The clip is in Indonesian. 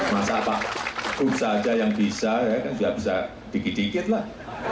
masa pak kut saja yang bisa kan juga bisa dikit dikit lah